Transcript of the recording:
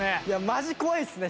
マジ怖いっすね！